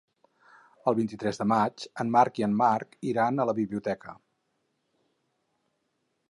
El vint-i-tres de maig en Marc i en Marc iran a la biblioteca.